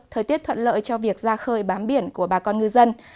thời tiết thuận lợi cho việc ra khơi bám biển của bà con ngư dân